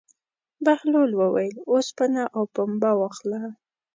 بهلول وویل: اوسپنه او پنبه واخله.